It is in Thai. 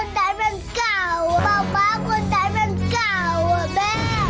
ป๊าป๊าคนนั้นเป็นเก่าป๊าป๊าคนนั้นเป็นเก่าแม่